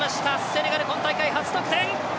セネガル、今大会初得点！